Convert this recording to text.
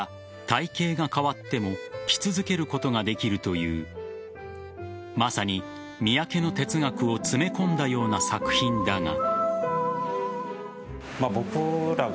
体形が変わっても着続けることができるというまさに三宅の哲学を詰め込んだような作品だが。